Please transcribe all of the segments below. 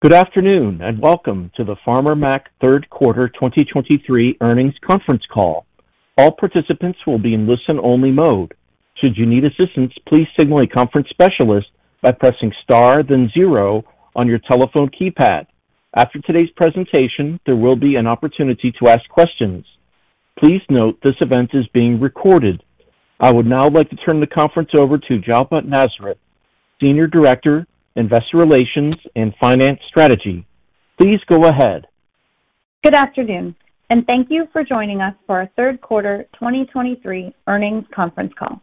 Good afternoon, and welcome to the Farmer Mac third quarter 2023 earnings conference call. All participants will be in listen-only mode. Should you need assistance, please signal a conference specialist by pressing star, then 0 on your telephone keypad. After today's presentation, there will be an opportunity to ask questions. Please note this event is being recorded. I would now like to turn the conference over to Jalpa Nazareth, Senior Director, Investor Relations and Finance Strategy. Please go ahead. Good afternoon, and thank you for joining us for our third quarter 2023 earnings conference call.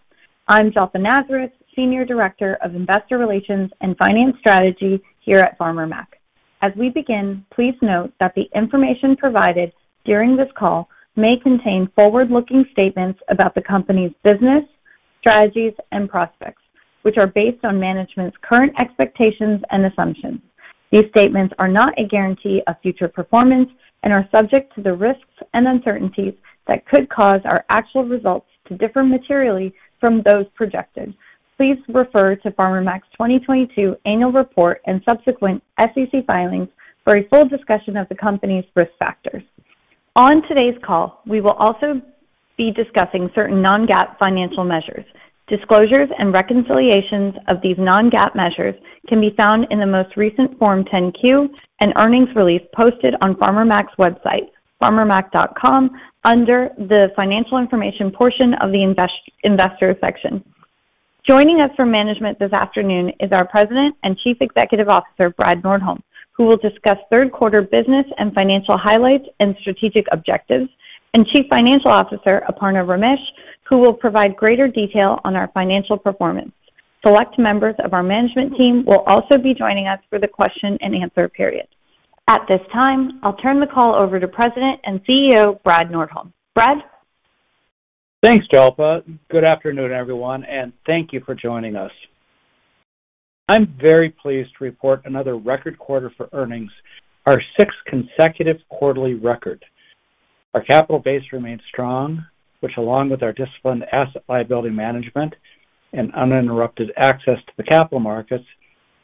I'm Jalpa Nazareth, Senior Director of Investor Relations and Finance Strategy here at Farmer Mac. As we begin, please note that the information provided during this call may contain forward-looking statements about the company's business, strategies, and prospects, which are based on management's current expectations and assumptions. These statements are not a guarantee of future performance and are subject to the risks and uncertainties that could cause our actual results to differ materially from those projected. Please refer to Farmer Mac's 2022 annual report and subsequent SEC filings for a full discussion of the company's risk factors. On today's call, we will also be discussing certain non-GAAP financial measures. Disclosures and reconciliations of these non-GAAP measures can be found in the most recent Form 10-Q and earnings release posted on Farmer Mac's website, farmermac.com, under the financial information portion of the investor section. Joining us for management this afternoon is our President and Chief Executive Officer, Brad Nordholm, who will discuss third quarter business and financial highlights and strategic objectives, and Chief Financial Officer, Aparna Ramesh, who will provide greater detail on our financial performance. Select members of our management team will also be joining us for the question and answer period. At this time, I'll turn the call over to President and CEO, Brad Nordholm. Brad? Thanks, Jalpa. Good afternoon, everyone, and thank you for joining us. I'm very pleased to report another record quarter for earnings, our sixth consecutive quarterly record. Our capital base remains strong, which, along with our disciplined asset liability management and uninterrupted access to the capital markets,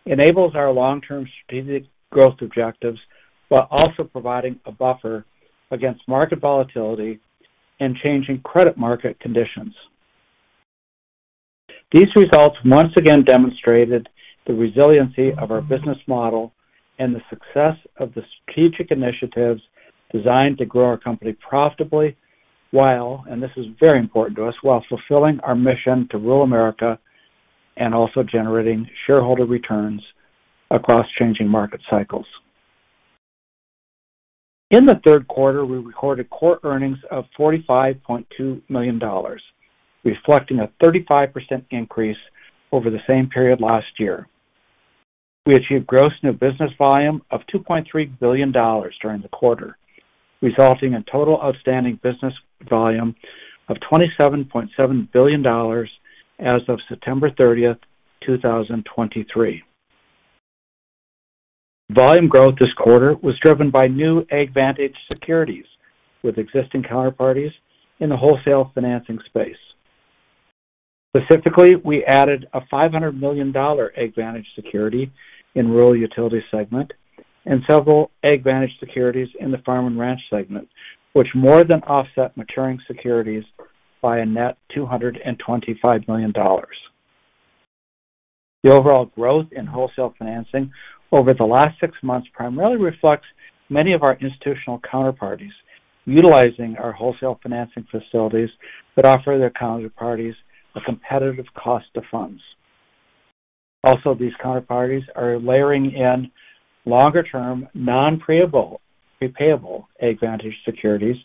enables our long-term strategic growth objectives, while also providing a buffer against market volatility and changing credit market conditions. These results once again demonstrated the resiliency of our business model and the success of the strategic initiatives designed to grow our company profitably, while, and this is very important to us, while fulfilling our mission to rural America and also generating shareholder returns across changing market cycles. In the third quarter, we recorded Core Earnings of $45.2 million, reflecting a 35% increase over the same period last year. We achieved gross new business volume of $2.3 billion during the quarter, resulting in total outstanding business volume of $27.7 billion as of September 30th, 2023. Volume growth this quarter was driven by new AgVantage securities with existing counterparties in the wholesale financing space. Specifically, we added a $500 million AgVantage security in rural utility segment and several AgVantage securities in the farm and ranch segment, which more than offset maturing securities by a net $225 million. The overall growth in wholesale financing over the last six months primarily reflects many of our institutional counterparties utilizing our wholesale financing facilities that offer their counterparties a competitive cost of funds. Also, these counterparties are layering in longer-term, non-prepayable AgVantage securities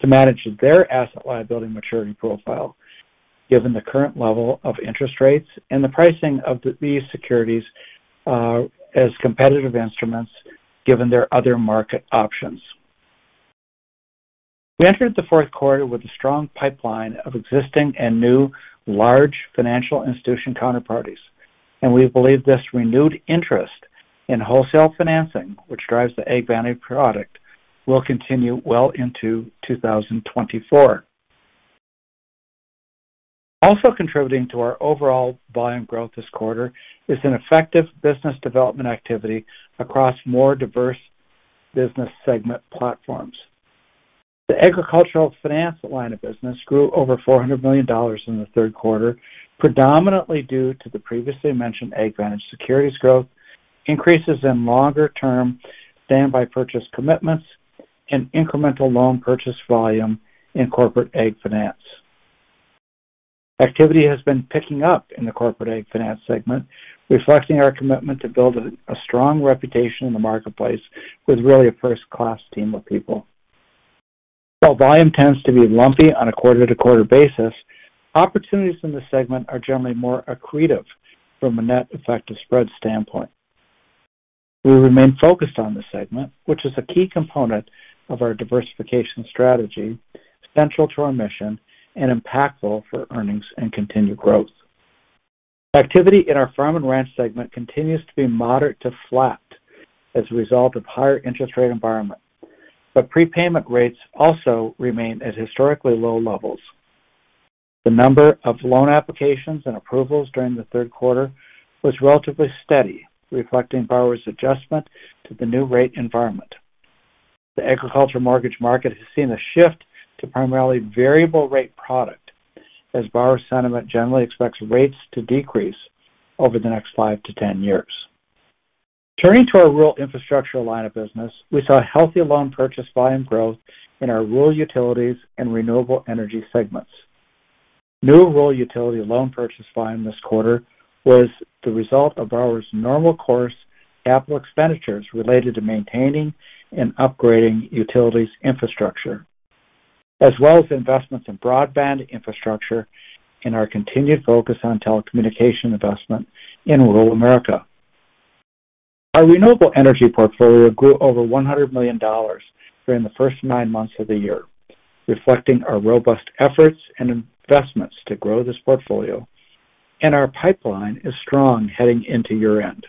to manage their asset liability maturity profile, given the current level of interest rates and the pricing of these securities as competitive instruments, given their other market options. We entered the fourth quarter with a strong pipeline of existing and new large financial institution counterparties, and we believe this renewed interest in wholesale financing, which drives the AgVantage product, will continue well into 2024. Also contributing to our overall volume growth this quarter is an effective business development activity across more diverse business segment platforms. The agricultural finance line of business grew over $400 million in the third quarter, predominantly due to the previously mentioned AgVantage securities growth, increases in longer-term standby purchase commitments, and incremental loan purchase volume in Corporate AgFinance. Activity has been picking up in the Corporate Finance segment, reflecting our commitment to build a strong reputation in the marketplace with really a first-class team of people. While volume tends to be lumpy on a quarter-to-quarter basis, opportunities in this segment are generally more accretive from a Net Effective Spread standpoint. We remain focused on this segment, which is a key component of our diversification strategy, central to our mission and impactful for earnings and continued growth. Activity in our farm and ranch segment continues to be moderate to flat as a result of higher interest rate environment, but prepayment rates also remain at historically low levels. The number of loan applications and approvals during the third quarter was relatively steady, reflecting borrowers' adjustment to the new rate environment. The agricultural mortgage market has seen a shift to primarily variable rate product, as borrower sentiment generally expects rates to decrease over the next 5-10 years. Turning to our rural infrastructure line of business, we saw a healthy loan purchase volume growth in our rural utilities and renewable energy segments. New rural utility loan purchase volume this quarter was the result of borrowers' normal course capital expenditures related to maintaining and upgrading utilities infrastructure, as well as investments in broadband infrastructure and our continued focus on telecommunication investment in rural America. Our renewable energy portfolio grew over $100 million during the first nine months of the year, reflecting our robust efforts and investments to grow this portfolio, and our pipeline is strong heading into year-end.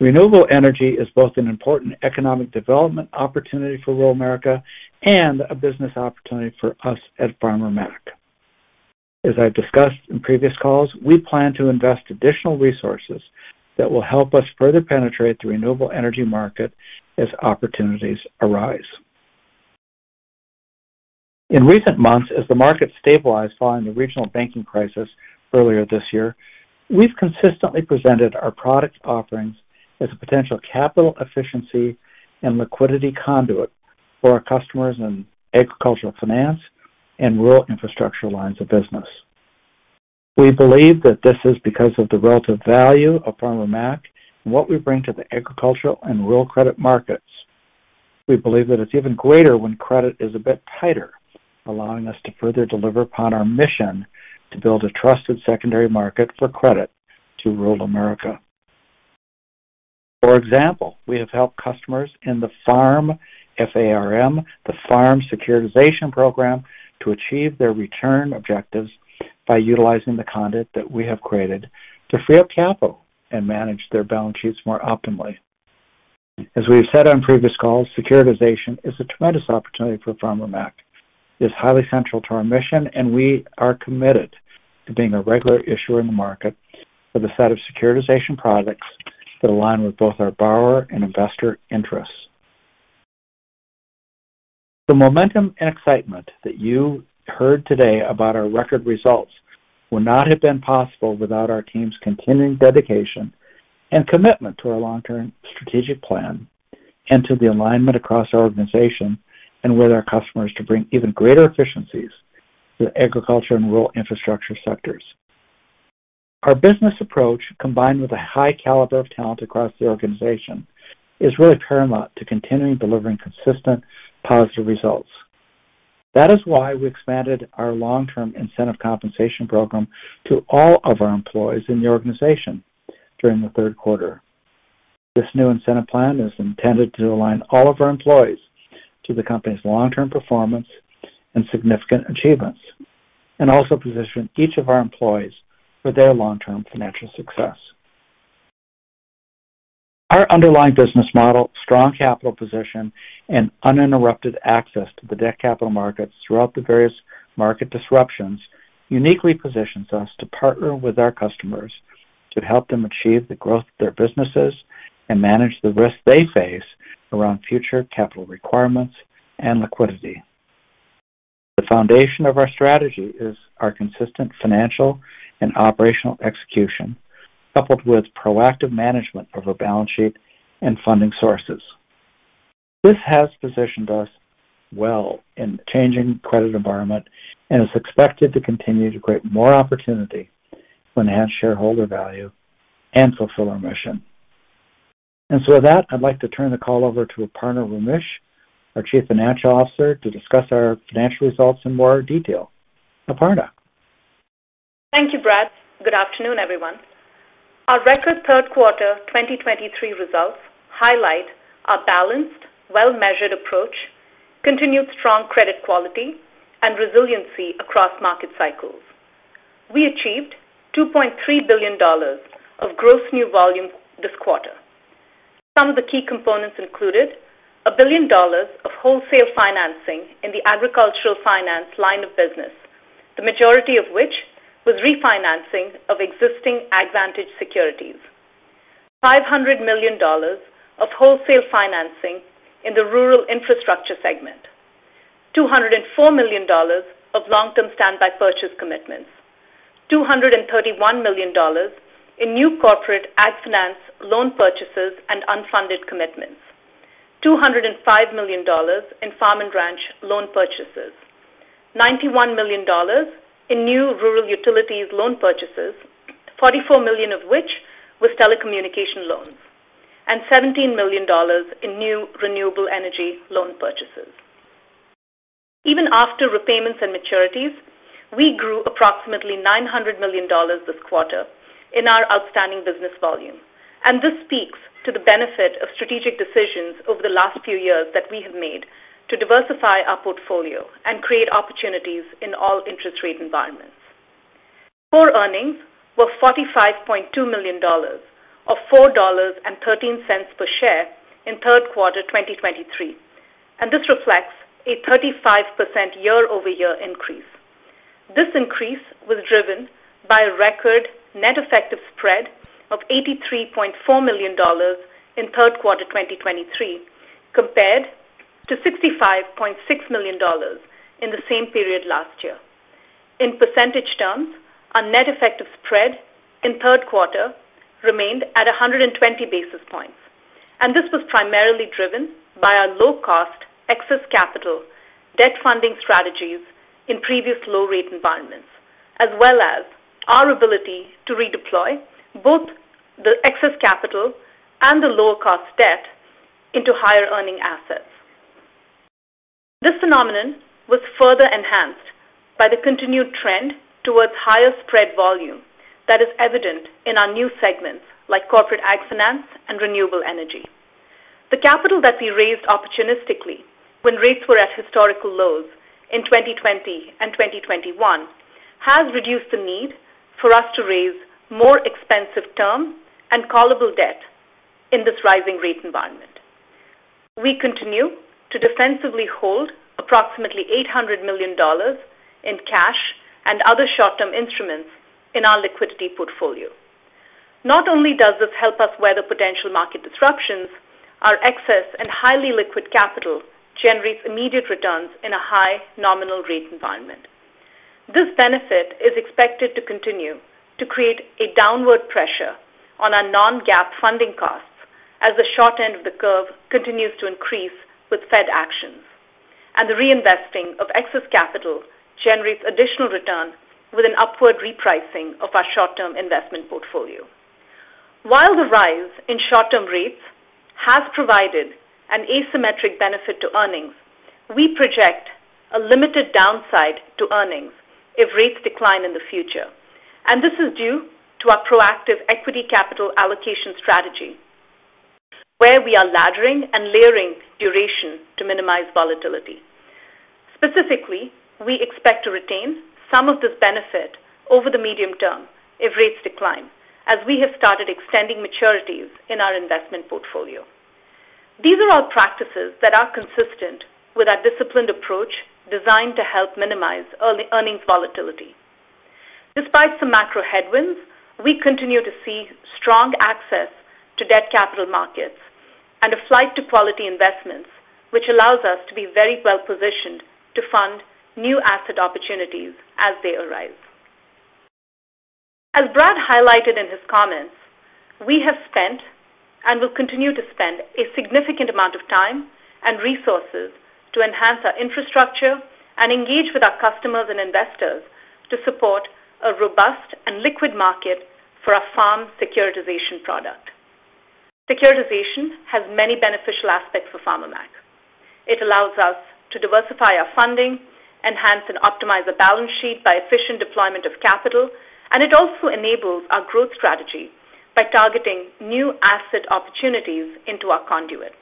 Renewable energy is both an important economic development opportunity for rural America and a business opportunity for us at Farmer Mac. As I've discussed in previous calls, we plan to invest additional resources that will help us further penetrate the renewable energy market as opportunities arise. In recent months, as the market stabilized following the regional banking crisis earlier this year, we've consistently presented our product offerings as a potential capital efficiency and liquidity conduit for our customers in agricultural finance and rural infrastructure lines of business. We believe that this is because of the relative value of Farmer Mac and what we bring to the agricultural and rural credit markets. We believe that it's even greater when credit is a bit tighter, allowing us to further deliver upon our mission to build a trusted secondary market for credit to rural America. For example, we have helped customers in the FARM, F-A-R-M, the FARM securitization program, to achieve their return objectives by utilizing the conduit that we have created to free up capital and manage their balance sheets more optimally. As we have said on previous calls, securitization is a tremendous opportunity for Farmer Mac. It's highly central to our mission, and we are committed to being a regular issuer in the market with a set of securitization products that align with both our borrower and investor interests. The momentum and excitement that you heard today about our record results would not have been possible without our team's continuing dedication and commitment to our long-term strategic plan and to the alignment across our organization and with our customers to bring even greater efficiencies to the agriculture and rural infrastructure sectors. Our business approach, combined with a high caliber of talent across the organization, is really paramount to continuing delivering consistent, positive results. That is why we expanded our long-term incentive compensation program to all of our employees in the organization during the third quarter. This new incentive plan is intended to align all of our employees to the company's long-term performance and significant achievements, and also position each of our employees for their long-term financial success. Our underlying business model, strong capital position, and uninterrupted access to the debt capital markets throughout the various market disruptions, uniquely positions us to partner with our customers to help them achieve the growth of their businesses and manage the risks they face around future capital requirements and liquidity. The foundation of our strategy is our consistent financial and operational execution, coupled with proactive management of our balance sheet and funding sources. This has positioned us well in the changing credit environment and is expected to continue to create more opportunity to enhance shareholder value and fulfill our mission. And so with that, I'd like to turn the call over to Aparna Ramesh, our Chief Financial Officer, to discuss our financial results in more detail. Aparna? Thank you, Brad. Good afternoon, everyone. Our record third quarter 2023 results highlight our balanced, well-measured approach, continued strong credit quality, and resiliency across market cycles. We achieved $2.3 billion of gross new volume this quarter. Some of the key components included $1 billion of wholesale financing in the agricultural finance line of business, the majority of which was refinancing of existing AgVantage securities. $500 million of wholesale financing in the rural infrastructure segment. $204 million of long-term standby purchase commitments. $231 million Corporate AgFinance loan purchases and unfunded commitments. $205 million in farm and ranch loan purchases. $91 million in new rural utilities loan purchases, $44 million of which was telecommunication loans, and $17 million in new renewable energy loan purchases. Even after repayments and maturities, we grew approximately $900 million this quarter in our outstanding business volume, and this speaks to the benefit of strategic decisions over the last few years that we have made to diversify our portfolio and create opportunities in all interest rate environments.... Core Earnings were $45.2 million, or $4.13 per share in third quarter 2023, and this reflects a 35% year-over-year increase. This increase was driven by a record Net Effective Spread of $83.4 million in third quarter 2023, compared to $65.6 million in the same period last year. In percentage terms, our net effective spread in third quarter remained at 120 basis points, and this was primarily driven by our low-cost excess capital debt funding strategies in previous low rate environments, as well as our ability to redeploy both the excess capital and the lower cost debt into higher earning assets. This phenomenon was further enhanced by the continued trend towards higher spread volume that is evident in our new Corporate AgFinance and renewable energy. The capital that we raised opportunistically when rates were at historical lows in 2020 and 2021 has reduced the need for us to raise more expensive term and callable debt in this rising rate environment. We continue to defensively hold approximately $800 million in cash and other short-term instruments in our liquidity portfolio. Not only does this help us weather potential market disruptions, our excess and highly liquid capital generates immediate returns in a high nominal rate environment. This benefit is expected to continue to create a downward pressure on our non-GAAP funding costs as the short end of the curve continues to increase with Fed actions, and the reinvesting of excess capital generates additional return with an upward repricing of our short-term investment portfolio. While the rise in short-term rates has provided an asymmetric benefit to earnings, we project a limited downside to earnings if rates decline in the future, and this is due to our proactive equity capital allocation strategy, where we are laddering and layering duration to minimize volatility. Specifically, we expect to retain some of this benefit over the medium term if rates decline, as we have started extending maturities in our investment portfolio. These are all practices that are consistent with our disciplined approach, designed to help minimize earnings volatility. Despite some macro headwinds, we continue to see strong access to debt capital markets and a flight to quality investments, which allows us to be very well positioned to fund new asset opportunities as they arise. As Brad highlighted in his comments, we have spent and will continue to spend a significant amount of time and resources to enhance our infrastructure and engage with our customers and investors to support a robust and liquid market for our FARM securitization product. Securitization has many beneficial aspects for Farmer Mac. It allows us to diversify our funding, enhance and optimize the balance sheet by efficient deployment of capital, and it also enables our growth strategy by targeting new asset opportunities into our conduit.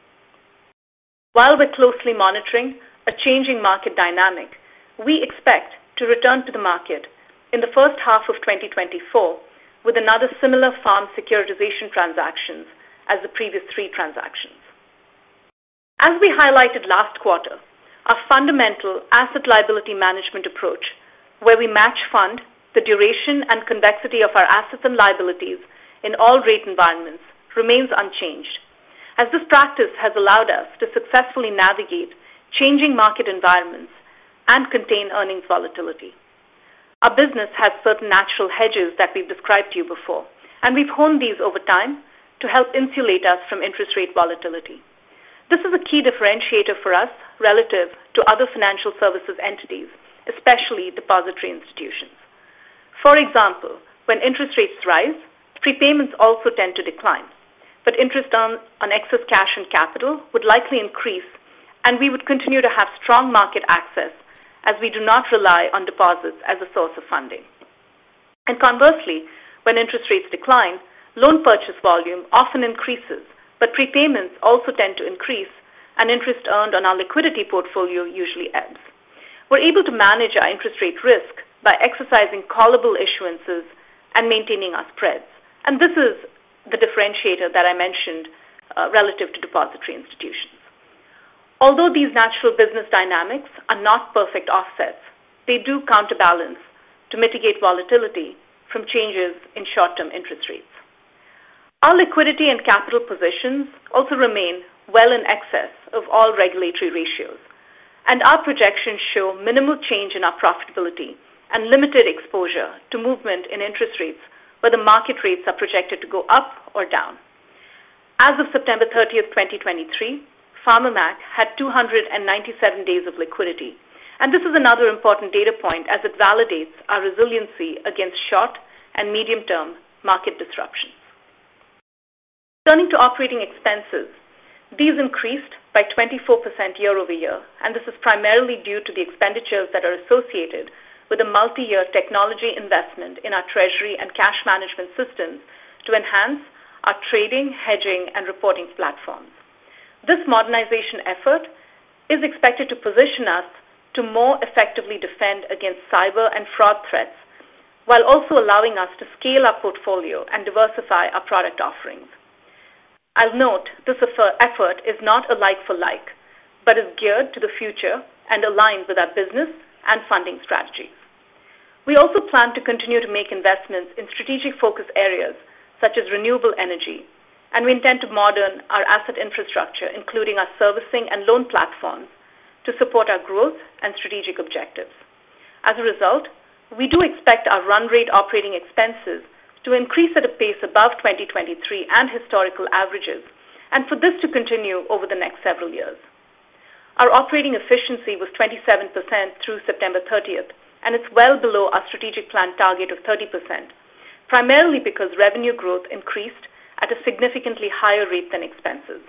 While we're closely monitoring a changing market dynamic, we expect to return to the market in the first half of 2024 with another similar FARM securitization transactions as the previous three transactions. As we highlighted last quarter, our fundamental asset liability management approach, where we match fund the duration and convexity of our assets and liabilities in all rate environments, remains unchanged. As this practice has allowed us to successfully navigate changing market environments and contain earnings volatility. Our business has certain natural hedges that we've described to you before, and we've honed these over time to help insulate us from interest rate volatility. This is a key differentiator for us relative to other financial services entities, especially depository institutions. For example, when interest rates rise, prepayments also tend to decline, but interest on excess cash and capital would likely increase, and we would continue to have strong market access as we do not rely on deposits as a source of funding. Conversely, when interest rates decline, loan purchase volume often increases, but prepayments also tend to increase, and interest earned on our liquidity portfolio usually ends. We're able to manage our interest rate risk by exercising callable issuances and maintaining our spreads. And this is the differentiator that I mentioned relative to depository institutions. Although these natural business dynamics are not perfect offsets, they do counterbalance to mitigate volatility from changes in short-term interest rates. Our liquidity and capital positions also remain well in excess of all regulatory ratios, and our projections show minimal change in our profitability and limited exposure to movement in interest rates, where the market rates are projected to go up or down. As of September 30th, 2023, Farmer Mac had 297 days of liquidity, and this is another important data point as it validates our resiliency against short and medium-term market disruptions. Turning to operating expenses, these increased by 24% year-over-year, and this is primarily due to the expenditures that are associated with a multi-year technology investment in our treasury and cash management systems to enhance our trading, hedging, and reporting platforms. This modernization effort is expected to position us to more effectively defend against cyber and fraud threats, while also allowing us to scale our portfolio and diversify our product offerings. I'll note this effort is not a like for like, but is geared to the future and aligns with our business and funding strategies. We also plan to continue to make investments in strategic focus areas such as renewable energy, and we intend to modernize our asset infrastructure, including our servicing and loan platforms, to support our growth and strategic objectives. As a result, we do expect our run rate operating expenses to increase at a pace above 2023 and historical averages and for this to continue over the next several years. Our operating efficiency was 27% through September 30th, and it's well below our strategic plan target of 30%, primarily because revenue growth increased at a significantly higher rate than expenses.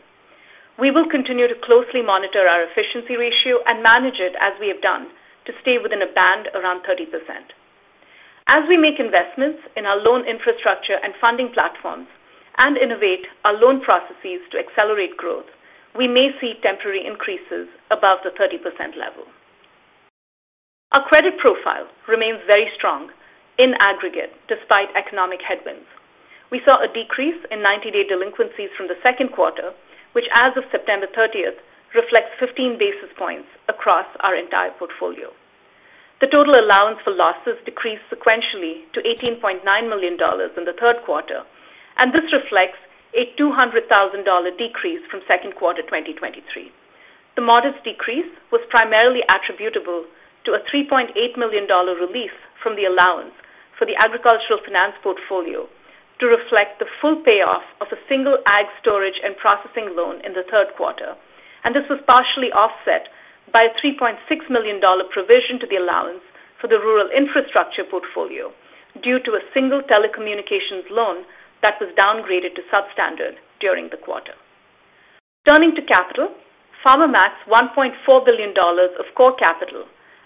We will continue to closely monitor our efficiency ratio and manage it as we have done, to stay within a band around 30%. As we make investments in our loan infrastructure and funding platforms and innovate our loan processes to accelerate growth, we may see temporary increases above the 30% level. Our credit profile remains very strong in aggregate, despite economic headwinds. We saw a decrease in 90-day delinquencies from the second quarter, which, as of September 30th, reflects 15 basis points across our entire portfolio. The total allowance for losses decreased sequentially to $18.9 million in the third quarter, and this reflects a $200,000 decrease from second quarter 2023. The modest decrease was primarily attributable to a $3.8 million relief from the allowance for the agricultural finance portfolio to reflect the full payoff of a single ag storage and processing loan in the third quarter. This was partially offset by a $3.6 million provision to the allowance for the rural infrastructure portfolio due to a single telecommunications loan that was downgraded to substandard during the quarter. Turning to capital, Farmer Mac's $1.4 billion of core capital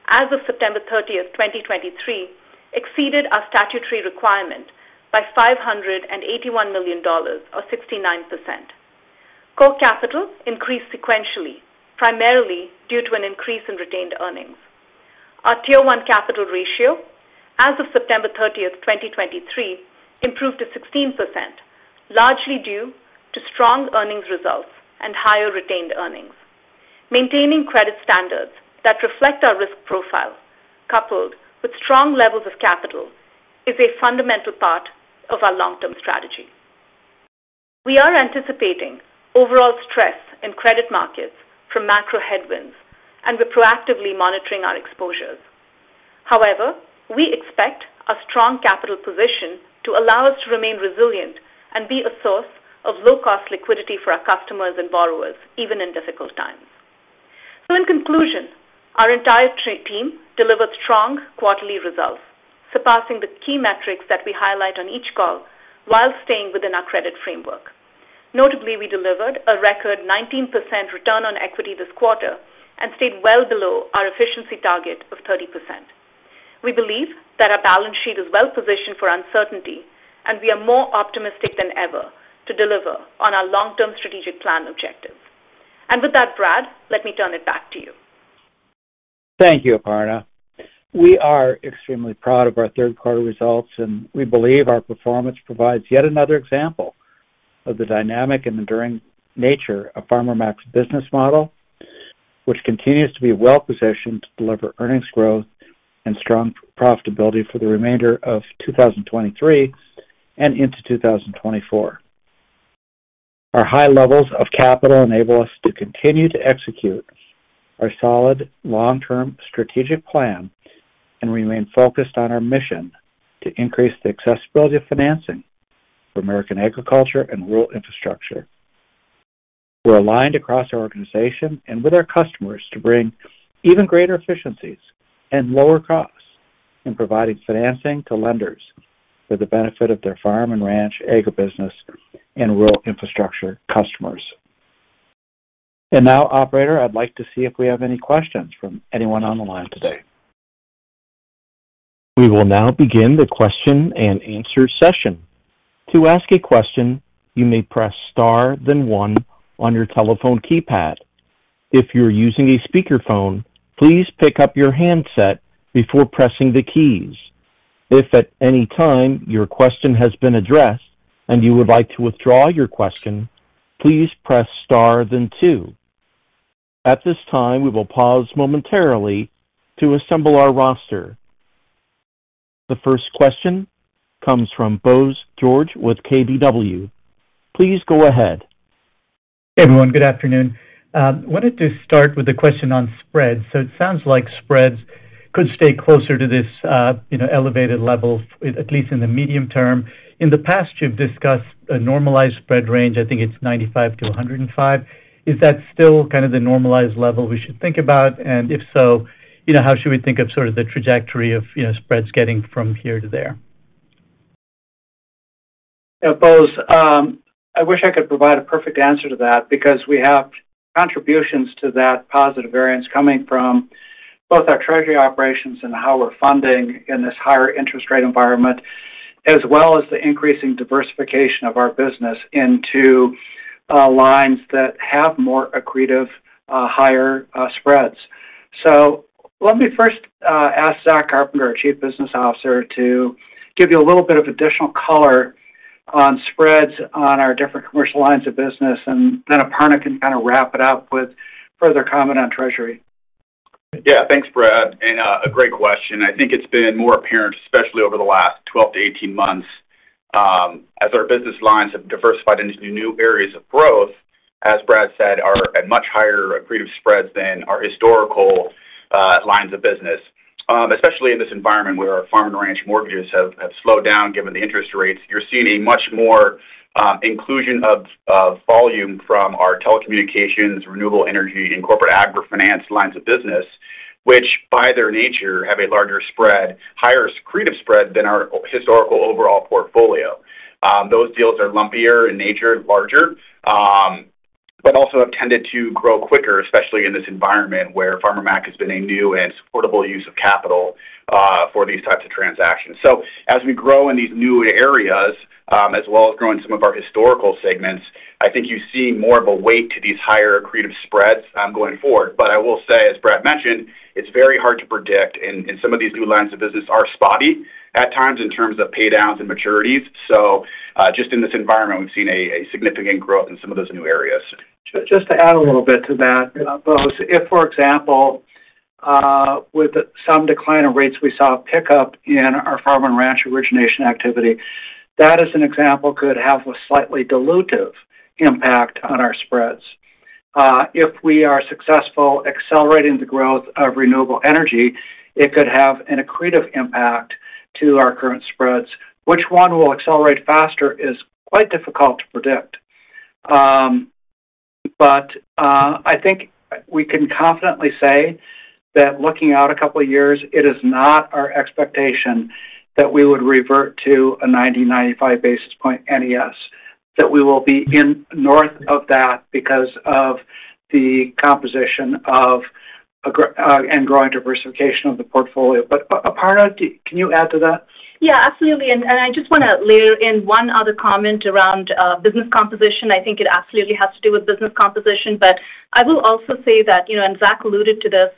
as of September 30, 2023, exceeded our statutory requirement by $581 million, or 69%. Core capital increased sequentially, primarily due to an increase in retained earnings. Our Tier 1 capital ratio as of September 30th, 2023, improved to 16%, largely due to strong earnings results and higher retained earnings. Maintaining credit standards that reflect our risk profile, coupled with strong levels of capital, is a fundamental part of our long-term strategy. We are anticipating overall stress in credit markets from macro headwinds, and we're proactively monitoring our exposures. However, we expect a strong capital position to allow us to remain resilient and be a source of low-cost liquidity for our customers and borrowers, even in difficult times. So in conclusion, our entire team delivered strong quarterly results, surpassing the key metrics that we highlight on each call while staying within our credit framework. Notably, we delivered a record 19% Return on Equity this quarter and stayed well below our efficiency target of 30%. We believe that our balance sheet is well positioned for uncertainty, and we are more optimistic than ever to deliver on our long-term strategic plan objectives. With that, Brad, let me turn it back to you. Thank you, Aparna. We are extremely proud of our third quarter results, and we believe our performance provides yet another example of the dynamic and enduring nature of Farmer Mac's business model, which continues to be well positioned to deliver earnings growth and strong profitability for the remainder of 2023 and into 2024. Our high levels of capital enable us to continue to execute our solid long-term strategic plan and remain focused on our mission to increase the accessibility of financing for American agriculture and rural infrastructure. We're aligned across our organization and with our customers to bring even greater efficiencies and lower costs in providing financing to lenders for the benefit of their farm and ranch agribusiness and rural infrastructure customers. And now, Operator, I'd like to see if we have any questions from anyone on the line today. We will now begin the question and answer session. To ask a question, you may press Star, then one on your telephone keypad. If you're using a speakerphone, please pick up your handset before pressing the keys. If at any time your question has been addressed and you would like to withdraw your question, please press Star then two. At this time, we will pause momentarily to assemble our roster. The first question comes from Bose George with KBW. Please go ahead. Hey, everyone. Good afternoon. Wanted to start with a question on spreads. So it sounds like spreads could stay closer to this, you know, elevated level, at least in the medium term. In the past, you've discussed a normalized spread range. I think it's 95-105. Is that still kind of the normalized level we should think about? And if so, you know, how should we think of sort of the trajectory of, you know, spreads getting from here to there? Bose, I wish I could provide a perfect answer to that because we have contributions to that positive variance coming from both our treasury operations and how we're funding in this higher interest rate environment, as well as the increasing diversification of our business into lines that have more accretive higher spreads. So let me first ask Zack Carpenter, our Chief Business Officer, to give you a little bit of additional color on spreads on our different commercial lines of business, and then Aparna can kind of wrap it up with further comment on treasury. Yeah. Thanks, Brad, and a great question. I think it's been more apparent, especially over the last 12-18 months, as our business lines have diversified into new areas of growth, as Brad said, are at much higher accretive spreads than our historical lines of business. Especially in this environment where our farm and ranch mortgages have slowed down, given the interest rates. You're seeing much more inclusion of volume from our telecommunications, renewable energy, and corporate agrifinance lines of business, which, by their nature, have a larger spread, higher accretive spread than our historical overall portfolio. Those deals are lumpier in nature and larger, but also have tended to grow quicker, especially in this environment where Farmer Mac has been a new and supportable use of capital, for these types of transactions. So as we grow in these new areas, as well as growing some of our historical segments, I think you see more of a weight to these higher accretive spreads, going forward. But I will say, as Brad mentioned, it's very hard to predict, and some of these new lines of business are spotty at times in terms of pay downs and maturities. So, just in this environment, we've seen a significant growth in some of those new areas. Just to add a little bit to that, Bose. If, for example, with some decline in rates, we saw a pickup in our farm and ranch origination activity, that, as an example, could have a slightly dilutive impact on our spreads. If we are successful accelerating the growth of renewable energy, it could have an accretive impact to our current spreads. Which one will accelerate faster is quite difficult to predict. But I think we can confidently say that looking out a couple of years, it is not our expectation that we would revert to a 90-95 basis point NES, that we will be north of that because of the composition of a and growing diversification of the portfolio. But Aparna, can you add to that? Yeah, absolutely. And I just want to layer in one other comment around business composition. I think it absolutely has to do with business composition, but I will also say that, you know, and Zack alluded to this,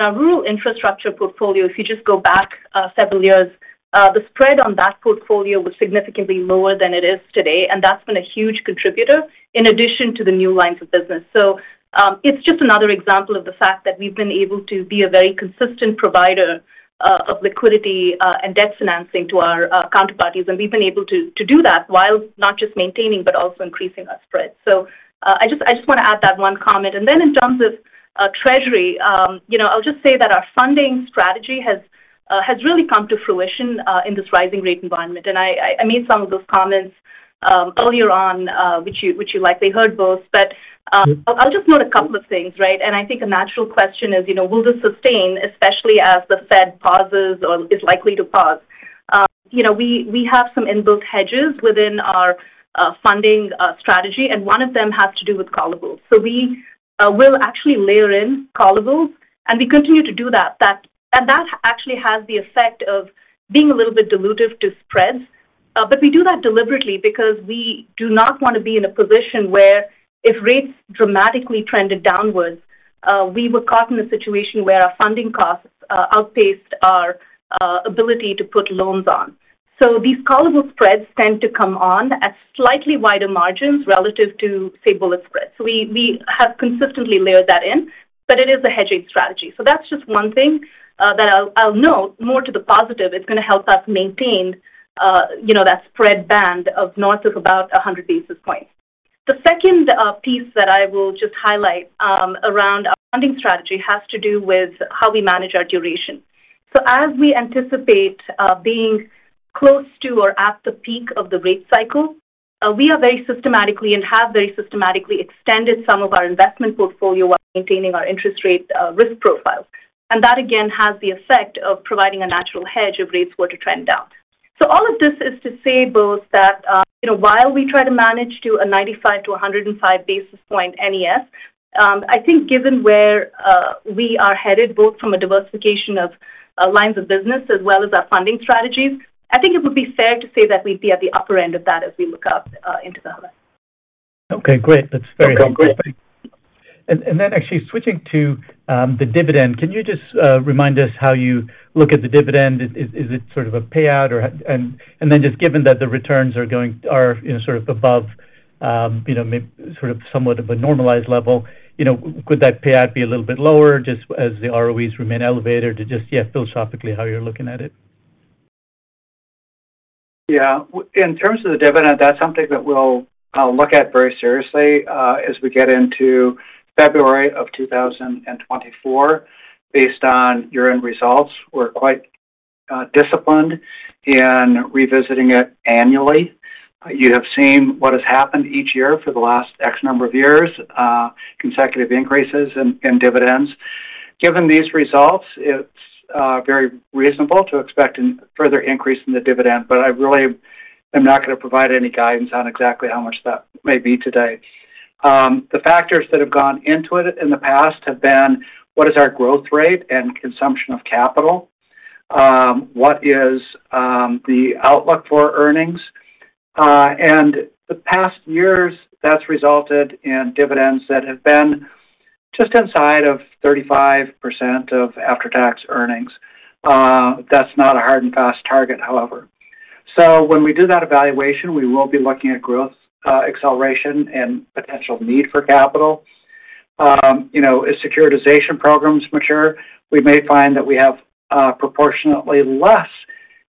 our rural infrastructure portfolio, if you just go back several years, the spread on that portfolio was significantly lower than it is today, and that's been a huge contributor in addition to the new lines of business. So, it's just another example of the fact that we've been able to be a very consistent provider of liquidity and debt financing to our counterparties, and we've been able to do that while not just maintaining but also increasing our spreads. So, I just want to add that one comment. Then in terms of treasury, you know, I'll just say that our funding strategy has has really come to fruition in this rising rate environment. And I, I, I made some of those comments earlier on which you, which you likely heard, Bose. But, I'll just note a couple of things, right? And I think a natural question is, you know, will this sustain, especially as the Fed pauses or is likely to pause? You know, we, we have some in-built hedges within our funding strategy, and one of them has to do with callables. So we will actually layer in callables, and we continue to do that. And that actually has the effect of being a little bit dilutive to spreads. But we do that deliberately because we do not want to be in a position where if rates dramatically trended downwards, we were caught in a situation where our funding costs outpaced our ability to put loans on. So these callable spreads tend to come on at slightly wider margins relative to, say, bullet spreads. So we have consistently layered that in, but it is a hedging strategy. So that's just one thing that I'll note more to the positive. It's going to help us maintain, you know, that spread band of north of about 100 basis points. The second piece that I will just highlight around our funding strategy has to do with how we manage our duration. So as we anticipate, being close to or at the peak of the rate cycle, we are very systematically and have very systematically extended some of our investment portfolio while maintaining our interest rate, risk profile. And that, again, has the effect of providing a natural hedge if rates were to trend down. So all of this is to say, Bose, that, you know, while we try to manage to a 95-105 basis point NES, I think given where we are headed, both from a diversification of lines of business as well as our funding strategies, I think it would be fair to say that we'd be at the upper end of that as we look out into the future. Okay, great. That's very helpful. Great. And then actually switching to the dividend, can you just remind us how you look at the dividend? Is it sort of a payout or how— And then just given that the returns are going, you know, sort of above, you know, may sort of somewhat of a normalized level, you know, could that payout be a little bit lower just as the ROEs remain elevated? Or just, yeah, philosophically, how you're looking at it. Yeah. In terms of the dividend, that's something that we'll look at very seriously as we get into February of 2024. Based on year-end results, we're quite disciplined in revisiting it annually. You have seen what has happened each year for the last X number of years, consecutive increases in dividends. Given these results, it's very reasonable to expect a further increase in the dividend, but I really am not going to provide any guidance on exactly how much that may be today. The factors that have gone into it in the past have been: what is our growth rate and consumption of capital? What is the outlook for earnings? And the past years, that's resulted in dividends that have been just inside of 35% of after-tax earnings. That's not a hard and fast target, however. So when we do that evaluation, we will be looking at growth, acceleration and potential need for capital. You know, as securitization programs mature, we may find that we have, proportionately less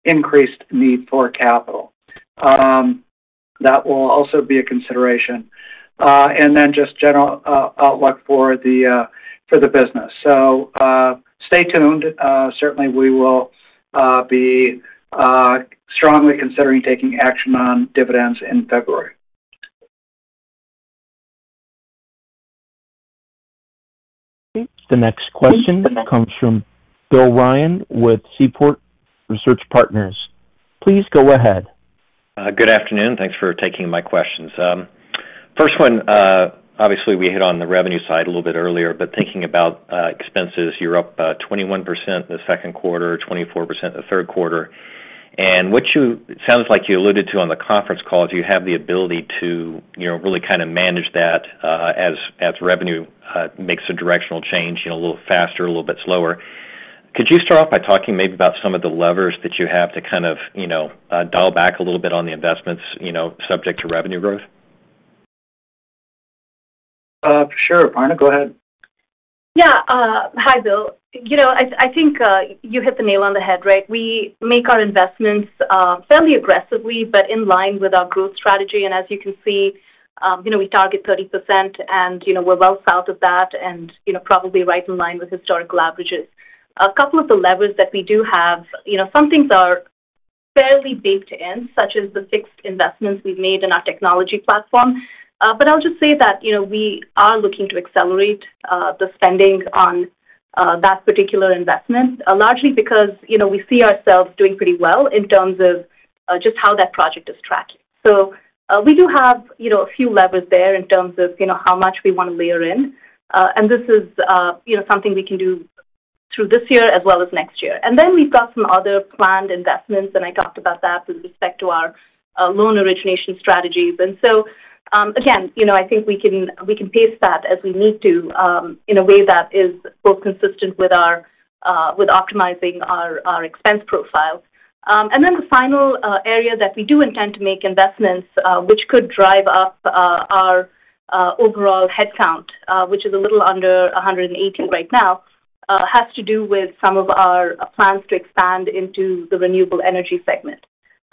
increased need for capital. That will also be a consideration. And then just general outlook for the business. So, stay tuned. Certainly, we will be strongly considering taking action on dividends in February. The next question comes from Bill Ryan with Seaport Research Partners. Please go ahead. Good afternoon. Thanks for taking my questions. First one, obviously, we hit on the revenue side a little bit earlier, but thinking about, expenses, you're up, 21% in the second quarter, 24% in the third quarter. And what you-- it sounds like you alluded to on the conference call, do you have the ability to, you know, really kind of manage that, as, as revenue, makes a directional change, you know, a little faster, a little bit slower? Could you start off by talking maybe about some of the levers that you have to kind of, you know, dial back a little bit on the investments, you know, subject to revenue growth? Sure. Aparna, go ahead. Yeah. Hi, Bill. You know, I, I think, you hit the nail on the head, right? We make our investments, fairly aggressively, but in line with our growth strategy. And as you can see, you know, we target 30%, and, you know, we're well south of that, and, you know, probably right in line with historical averages. A couple of the levers that we do have, you know, some things are fairly baked in, such as the fixed investments we've made in our technology platform. But I'll just say that, you know, we are looking to accelerate, the spending on, that particular investment, largely because, you know, we see ourselves doing pretty well in terms of, just how that project is tracking. So, we do have, you know, a few levers there in terms of, you know, how much we want to layer in. And this is, you know, something we can do through this year as well as next year. And then we've got some other planned investments, and I talked about that with respect to our, loan origination strategies. And so, again, you know, I think we can, we can pace that as we need to, in a way that is both consistent with our, with optimizing our, our expense profile. And then the final, area that we do intend to make investments, which could drive up, our, overall headcount, which is a little under 118 right now, has to do with some of our plans to expand into the renewable energy segment.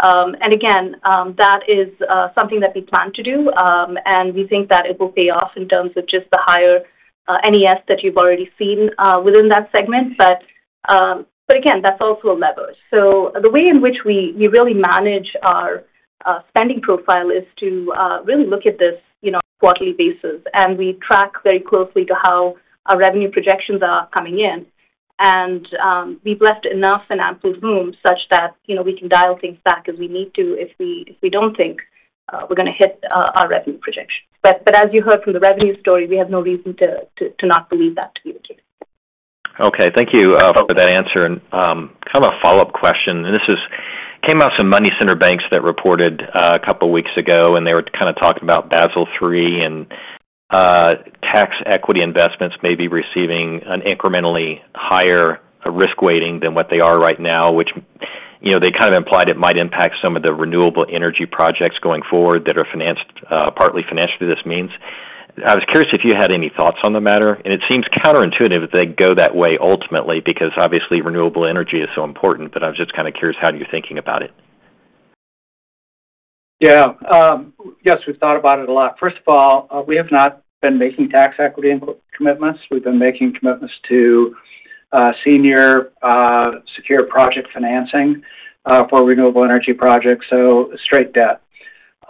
And again, that is something that we plan to do, and we think that it will pay off in terms of just the higher NES that you've already seen within that segment. But again, that's also a lever. So the way in which we really manage our spending profile is to really look at this, you know, quarterly basis. And we track very closely to how our revenue projections are coming in. And we've left enough financial room such that, you know, we can dial things back as we need to, if we don't think we're gonna hit our revenue projections. But as you heard from the revenue story, we have no reason to not believe that to be the case. Okay. Thank you for that answer. And kind of a follow-up question, and this came out some money center banks that reported a couple weeks ago, and they were kind of talking about Basel III and tax equity investments may be receiving an incrementally higher risk weighting than what they are right now, which, you know, they kind of implied it might impact some of the renewable energy projects going forward that are financed partly financed through this means. I was curious if you had any thoughts on the matter, and it seems counterintuitive that they go that way ultimately, because obviously renewable energy is so important, but I was just kind of curious, how you're thinking about it? Yeah. Yes, we've thought about it a lot. First of all, we have not been making tax equity commitments. We've been making commitments to senior secured project financing for renewable energy projects, so straight debt.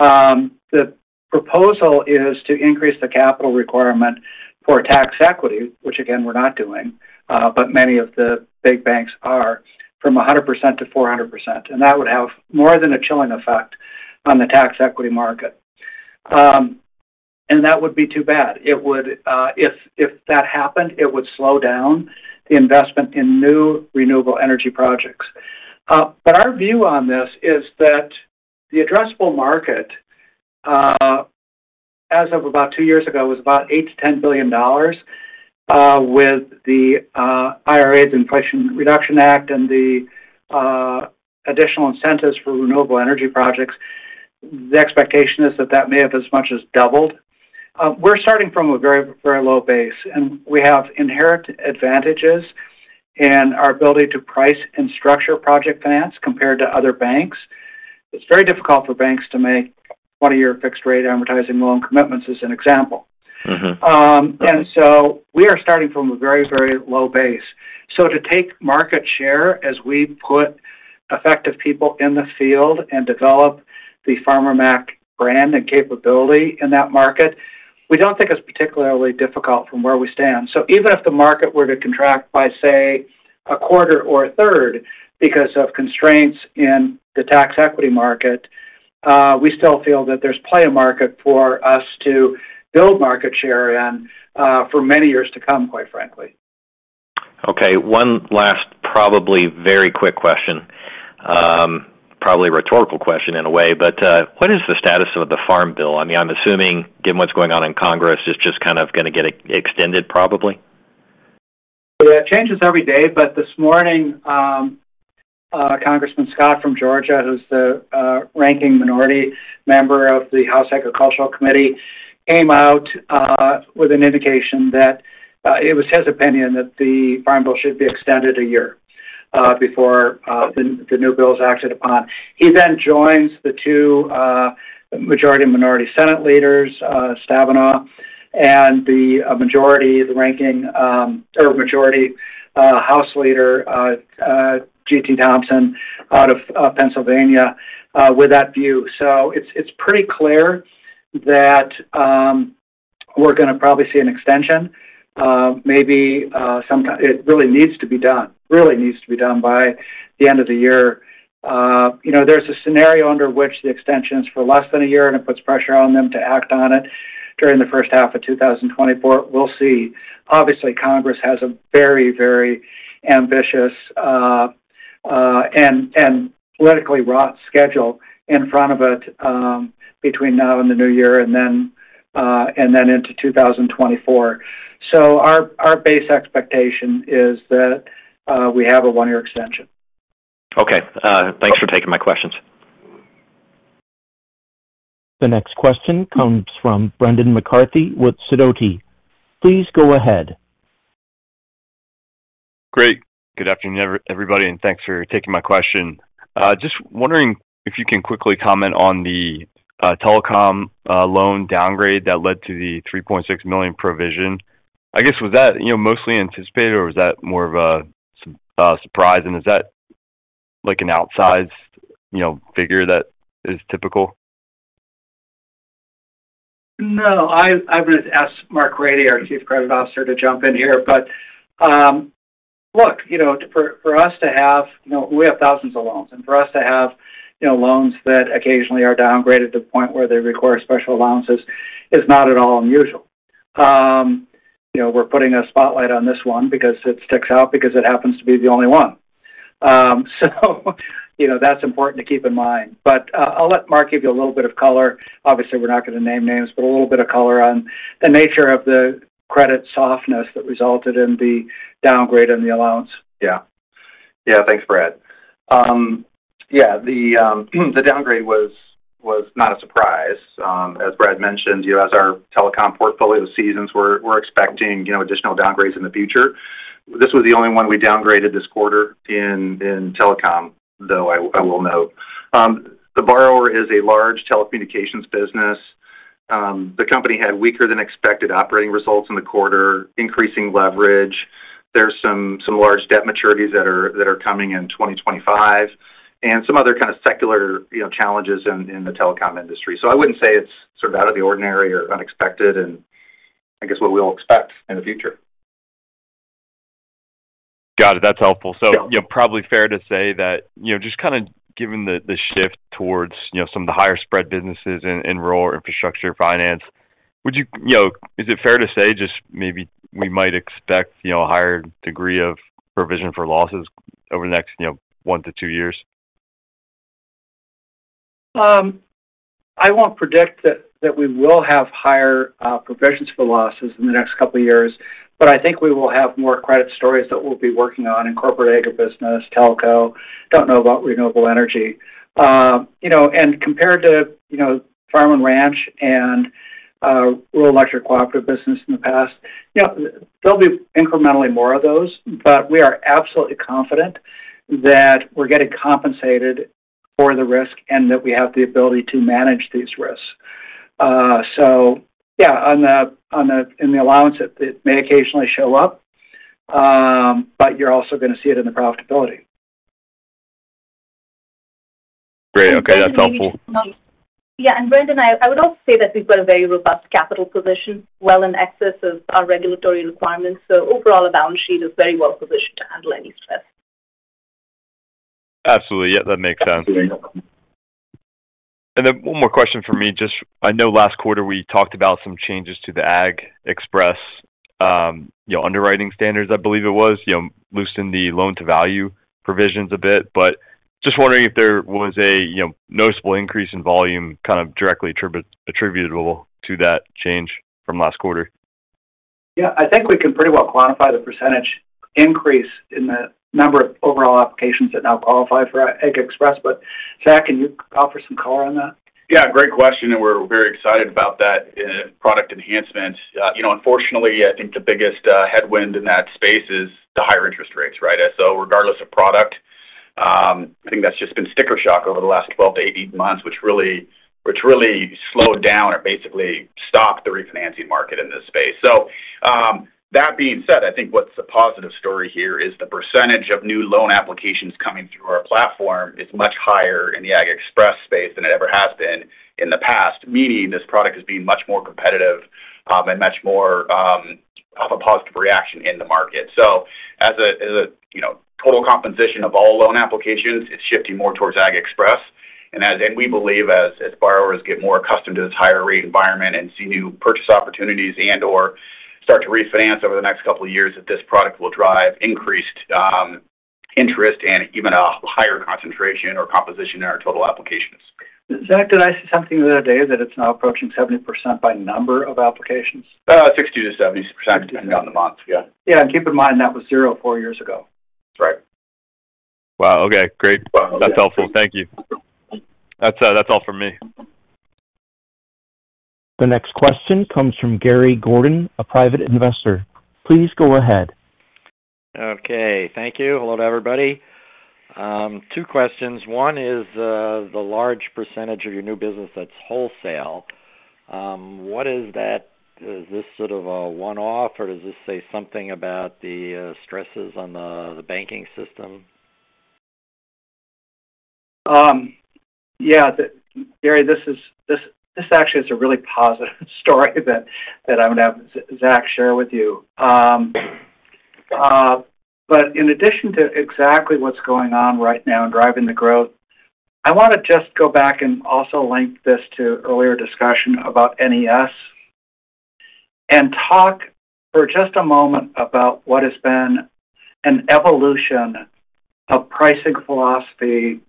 The proposal is to increase the capital requirement for tax equity, which again, we're not doing, but many of the big banks are, from 100% to 400%, and that would have more than a chilling effect on the tax equity market. That would be too bad. It would, if that happened, it would slow down the investment in new renewable energy projects. But our view on this is that the addressable market, as of about two years ago, was about $8 billion-$10 billion, with the IRA's Inflation Reduction Act and the additional incentives for renewable energy projects. The expectation is that that may have as much as doubled. We're starting from a very, very low base, and we have inherent advantages in our ability to price and structure project finance compared to other banks. It's very difficult for banks to make one-year fixed rate amortizing loan commitments, as an example. Mm-hmm. So we are starting from a very, very low base. So to take market share as we put effective people in the field and develop the Farmer Mac brand and capability in that market, we don't think it's particularly difficult from where we stand. So even if the market were to contract by, say, a quarter or a third because of constraints in the tax equity market, we still feel that there's plenty a market for us to build market share in, for many years to come, quite frankly. Okay, one last probably very quick question. Probably a rhetorical question in a way, but what is the status of the Farm Bill? I mean, I'm assuming, given what's going on in Congress, it's just kind of gonna get extended, probably. Yeah, it changes every day, but this morning, Congressman Scott from Georgia, who's the ranking minority member of the House Agriculture Committee, came out with an indication that it was his opinion that the Farm Bill should be extended a year before the new bill is acted upon. He then joins the two majority and minority Senate leaders, Stabenow, and the majority, the ranking, or majority House leader, GT Thompson, out of Pennsylvania, with that view. So it's pretty clear that we're gonna probably see an extension, maybe, sometime. It really needs to be done. Really needs to be done by the end of the year. You know, there's a scenario under which the extension is for less than a year, and it puts pressure on them to act on it during the first half of 2024. We'll see. Obviously, Congress has a very, very ambitious and politically wrought schedule in front of it between now and the new year, and then into 2024. So our base expectation is that we have a one-year extension. Okay. Thanks for taking my questions. The next question comes from Brendan McCarthy with Sidoti. Please go ahead. Great. Good afternoon, everybody, and thanks for taking my question. Just wondering if you can quickly comment on the telecom loan downgrade that led to the $3.6 million provision. I guess, was that, you know, mostly anticipated, or was that more of a surprise? And is that like an outsized, you know, figure that is typical? No, I'm gonna ask Mark Grady, our Chief Credit Officer, to jump in here. But, look, you know, for us to have... You know, we have thousands of loans, and for us to have, you know, loans that occasionally are downgraded to the point where they require special allowances is not at all unusual. You know, we're putting a spotlight on this one because it sticks out, because it happens to be the only one. So, you know, that's important to keep in mind, but, I'll let Mark give you a little bit of color. Obviously, we're not going to name names, but a little bit of color on the nature of the credit softness that resulted in the downgrade and the allowance. Yeah. Yeah. Thanks, Brad. Yeah, the downgrade was not a surprise. As Brad mentioned, you know, as our telecom portfolio seasons, we're expecting, you know, additional downgrades in the future. This was the only one we downgraded this quarter in telecom, though I will note. The borrower is a large telecommunications business. The company had weaker than expected operating results in the quarter, increasing leverage. There's some large debt maturities that are coming in 2025, and some other kind of secular, you know, challenges in the telecom industry. So I wouldn't say it's sort of out of the ordinary or unexpected, and I guess what we'll expect in the future. Got it. That's helpful. Yeah. So, you know, probably fair to say that, you know, just kind of given the shift towards, you know, some of the higher spread businesses in rural infrastructure finance, would you... You know, is it fair to say just maybe we might expect, you know, a higher degree of provision for losses over the next, you know, one to two years? I won't predict that we will have higher provisions for losses in the next couple of years, but I think we will have more credit stories that we'll be working on in corporate agribusiness, telco. Don't know about renewable energy. You know, and compared to, you know, farm and ranch and rural electric cooperative business in the past, you know, there'll be incrementally more of those, but we are absolutely confident that we're getting compensated for the risk and that we have the ability to manage these risks. So yeah, on the allowance, it may occasionally show up, but you're also going to see it in the profitability. Great. Okay, that's helpful. Yeah, and Brendan, I would also say that we've got a very robust capital position, well in excess of our regulatory requirements. So overall, our balance sheet is very well positioned to handle any stress. Absolutely. Yeah, that makes sense. Absolutely. And then one more question for me. Just, I know last quarter we talked about some changes to the AgXpress, you know, underwriting standards, I believe it was. You know, loosen the loan-to-value provisions a bit, but just wondering if there was a, you know, noticeable increase in volume, kind of directly attributable to that change from last quarter. Yeah, I think we can pretty well quantify the percentage increase in the number of overall applications that now qualify for AgXpress. But, Zack, can you offer some color on that? Yeah, great question, and we're very excited about that product enhancement. You know, unfortunately, I think the biggest headwind in that space is the higher interest rates, right? So regardless of product, I think that's just been sticker shock over the last 12-18 months, which really slowed down or basically stopped the refinancing market in this space. So, that being said, I think what's the positive story here is the percentage of new loan applications coming through our platform is much higher in the AgXpress space than it ever has been in the past, meaning this product is being much more competitive and much more of a positive reaction in the market. So, as a, you know, total composition of all loan applications, it's shifting more towards AgXpress. And we believe as borrowers get more accustomed to this higher rate environment and see new purchase opportunities and or start to refinance over the next couple of years, that this product will drive increased interest and even a higher concentration or composition in our total applications. Zach, did I say something the other day that it's now approaching 70% by number of applications? 60%-70%, depending on the month. Yeah. Yeah, and keep in mind, that was 4 years ago. That's right. Wow. Okay, great. That's helpful. Thank you. That's, that's all from me. The next question comes from Gary Gordon, a private investor. Please go ahead. Okay. Thank you. Hello to everybody. Two questions. One is, the large percentage of your new business that's wholesale. What is that? Is this sort of a one-off, or does this say something about the stresses on the banking system? Yeah, Gary, this actually is a really positive story that I'm going to have Zach share with you. But in addition to exactly what's going on right now in driving the growth, I wanna just go back and also link this to earlier discussion about NES, and talk for just a moment about what has been an evolution of pricing philosophy